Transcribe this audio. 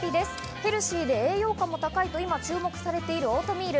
ヘルシーで栄養価も高いと今注目されているオートミール。